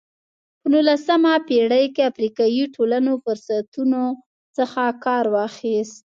په نولسمه پېړۍ کې افریقایي ټولنو فرصتونو څخه کار واخیست.